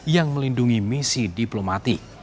yang melindungi misi diplomatik